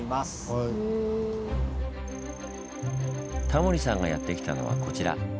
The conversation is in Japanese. タモリさんがやってきたのはこちら。